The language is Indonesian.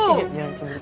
iya jangan cemburu